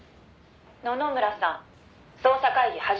「野々村さん捜査会議始めます」